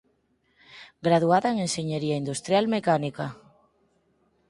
Graduada en Enxeñería Industrial Mecánica.